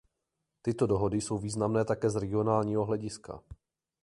Tyto dohody jsou významné také z regionálního hlediska.